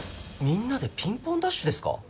みんなでピンポンダッシュですか？